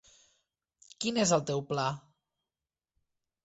Quin és el teu pla?